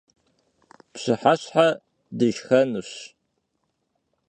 Pşıheşheşşxe dışşxenuş.